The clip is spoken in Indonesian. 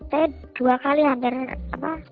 saya dua kali hampir apa